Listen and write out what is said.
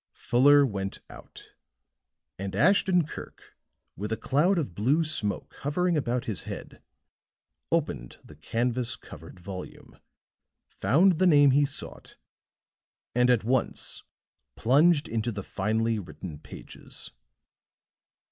Fuller went out; and Ashton Kirk, with a cloud of blue smoke hovering about his head, opened the canvas covered volume, found the name he sought, and at once plunged into the finely written pages.